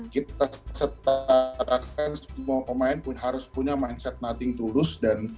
kita setarakan semua pemain harus punya mindset nothing to lose